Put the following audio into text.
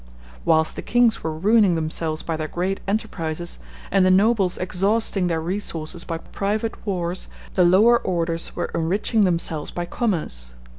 Whilst the kings were ruining themselves by their great enterprises, and the nobles exhausting their resources by private wars, the lower orders were enriching themselves by commerce.